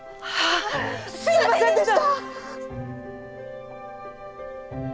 すいませんでした！